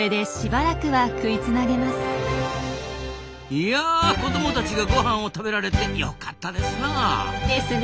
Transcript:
いや子どもたちがごはんを食べられてよかったですな。